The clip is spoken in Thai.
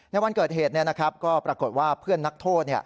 ในวันเกิดเหตุก็ปรากฏว่าเพื่อนนักโทษ